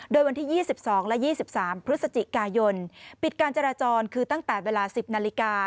โดยวันที่๒๒และ๒๓พฤศจิกายนปิดการจราจรคือตั้งแต่เวลา๑๐นาฬิกา